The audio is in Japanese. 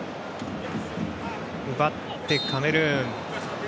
奪って、カメルーン。